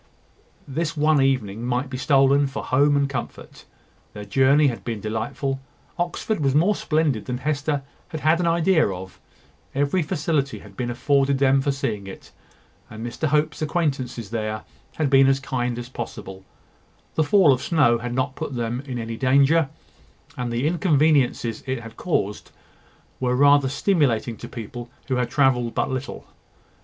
This one evening might be stolen for home and comfort. Their journey had been delightful. Oxford was more splendid than Hester had had an idea of. Every facility had been afforded them for seeing it, and Mr Hope's acquaintances there had been as kind as possible. The fall of snow had not put them in any danger, and the inconveniences it had caused were rather stimulating to people who had travelled but little.